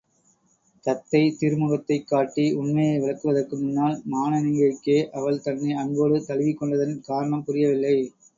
தத்தை திருமுகத்தைக் காட்டி உண்மையை விளக்குவதற்கு முன்னால், மானனீகைக்கே அவள் தன்னை அன்போடு தழுவிக் கொண்டதன் காரணம் புரியவில்லை.